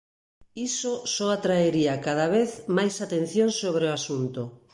Iso só atraería cada vez máis atención sobre o asunto".